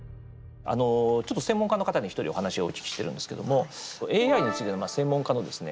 専門家の方に１人お話をお聞きしてるんですけどもＡＩについての専門家のですね